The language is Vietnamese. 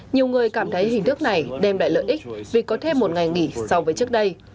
nhiều người cảm thấy hình thức này đem lại lợi ích vì có thêm một ngày nghỉ so với trước đây